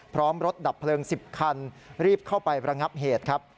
พร้อมรถดับเพลิง๑๐คันรีบเข้าไประงับเหตุครับ